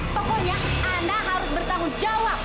pokoknya anak harus bertanggung jawab